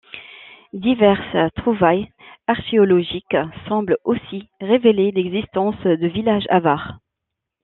Diverses trouvailles archéologiques semblent aussi révéler l'existence de villages avars.